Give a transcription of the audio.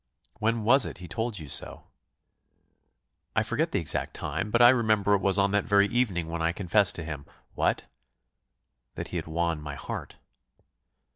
"When was it he told you so?" "I forget the exact time; but I remember it was on that very evening when I confessed to him " "What?" "That he had won my heart."